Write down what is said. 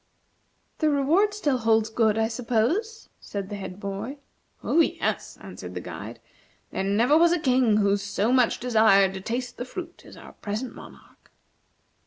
"The reward still holds good, I suppose," said the head boy. "Oh, yes," answered the guide; "there never was a King who so much desired to taste the fruit as our present monarch."